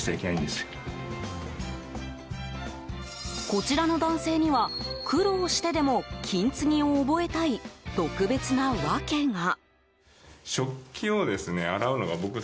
こちらの男性には苦労してでも金継ぎを覚えたい、特別な訳が。